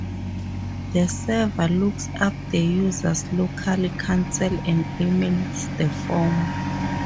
The server looks up the user's local council and emails the form.